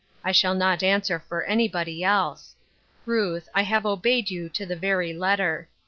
I shall not answer for anybody else. Ruth, I have obeyed you to the very letter.